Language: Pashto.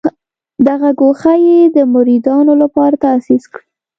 دغه ګوښه یې د مریدانو لپاره تاسیس کړه.